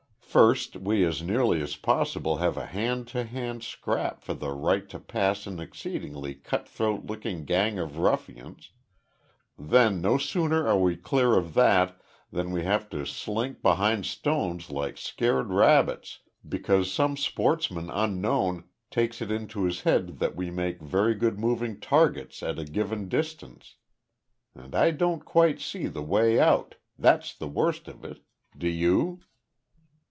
"First, we as nearly as possible have a hand to hand scrap for the right to pass an exceedingly cut throat looking gang of ruffians, then no sooner are we clear of that than we have to slink behind stones like scared rabbits, because some sportsman unknown takes it into his head that we make very good moving targets at a given distance. And I don't quite see the way out, that's the worst of it. Do you?"